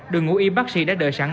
đội ngũ y bác sĩ đã đợi sẵn